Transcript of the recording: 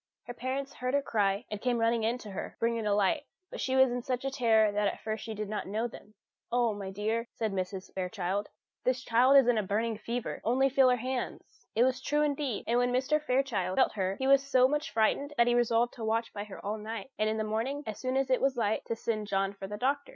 Her parents heard her cry, and came running in to her, bringing a light; but she was in such a terror that at first she did not know them. "Oh, my dear," said Mrs. Fairchild, "this child is in a burning fever! Only feel her hands!" It was true, indeed; and when Mr. Fairchild felt her, he was so much frightened that he resolved to watch by her all night, and in the morning, as soon as it was light, to send John for the doctor.